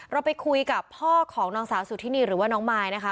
เราไปคุยกับพ่อของนางสาวสุธินีหรือว่าน้องมายนะคะ